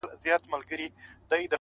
ه زه د دوو مئينو زړو بړاس يمه ـ